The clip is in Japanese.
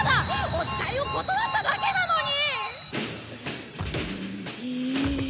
おつかいを断っただけなのに！